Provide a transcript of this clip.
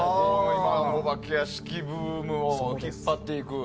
今のお化け屋敷ブームを引っ張っていく。